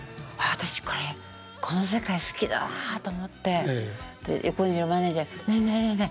私これこの世界好きだなと思って横にいるマネージャーに「ねえねえねえねえ